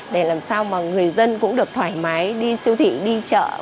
để làm sao mà người dân cũng được thoải mái đi siêu thị đi chợ